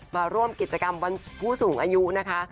มาร่วมกิจกรรมวันผู้สูงอายุนะคะ